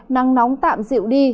nắng nóng tạm dịu đi